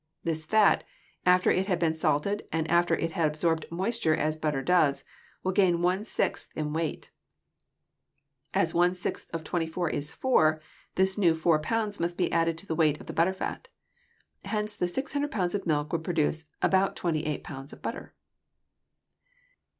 This fat, after it has been salted and after it has absorbed moisture as butter does, will gain one sixth in weight. As one sixth of 24 is 4, this new 4 pounds must be added to the weight of the butter fat. Hence the 600 pounds of milk would produce about 28 pounds of butter.